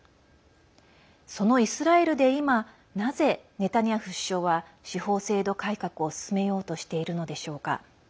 そのイスラエルで、今なぜネタニヤフ首相は司法制度改革を進めようとしているのでしょうか。